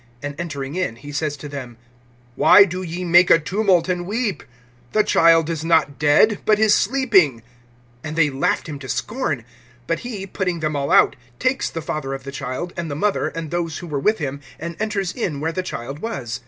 (39)And entering in, he says to them: Why do ye make a tumult, and weep? The child is not dead, but is sleeping. (40)And they laughed him to scorn. But he, putting them all out, takes the father of the child, and the mother, and those who were with him, and enters in where the child was.